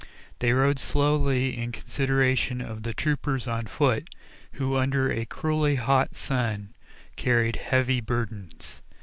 They rode slowly in consideration of the troopers on foot, who under a cruelly hot sun carried heavy burdens.